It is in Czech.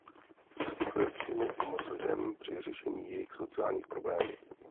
Poskytuje přímou pomoc lidem při řešení jejich sociálních problémů.